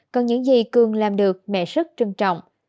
còn những gì cường làm được mẹ rất trân trọng